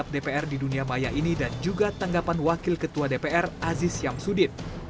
dpr di dunia maya ini dan juga tanggapan wakil ketua dpr aziz syamsuddin